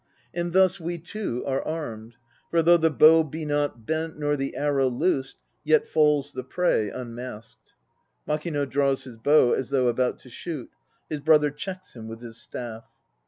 And thus we two are armed, For though the bow be not bent nor the arrow loosed, Yet falls the prey unmasked. (MAKINO draws his bow as though about to shoot; his BROTHER checks him with his staff.)